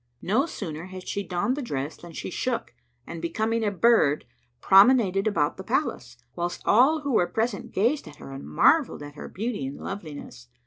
No sooner had she donned the dress than she shook and becoming a bird, promenaded about the palace, whilst all who were present gazed at her and marvelled at her beauty and loveliness.